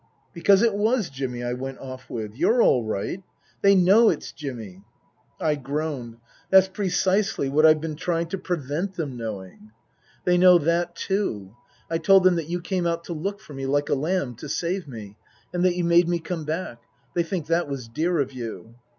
" Because it was Jimmy I went off with. You're all right. They know it's Jimmy." I groaned. " That's precisely what I've been trying to prevent them knowing." " They know that, too. I told them that you came out to look for me like a lamb, to save me and that you made me come back. They think that was dear of you."